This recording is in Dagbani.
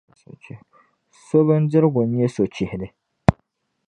So bindirigu n-nyɛ so chihili.